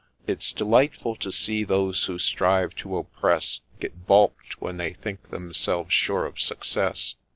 ' It 's delightful to see those who strive to oppress Get baulk'd when they think themselves sure of success.